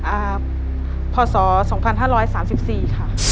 อ่าพศ๒๕๓๔ค่ะ